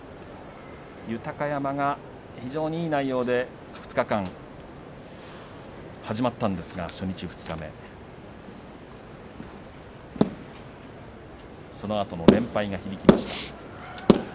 豊山が非常にいい内容で２日間始まったんですが初日二日目そのあとの連敗が響きました。